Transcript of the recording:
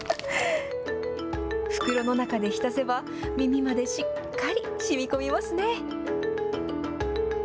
袋の中で浸せば、耳までしっかりしみこみますね。